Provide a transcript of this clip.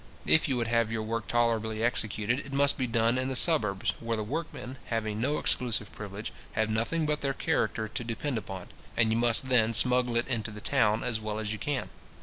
If you would have your work tolerably executed, it must be done in the suburbs, where the workmen, having no exclusive privilege, have nothing but their character to depend upon, and you must then smuggle it into the town as well as you can.